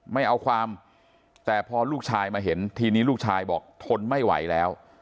ไม่เอาความแต่พอลูกชายมาเห็นทีนี้ลูกชายบอกทนไม่ไหวแล้ว